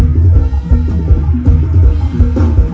เวลาที่สุดท้าย